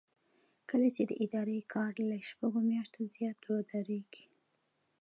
کله چې د ادارې کار له شپږو میاشتو زیات ودریږي.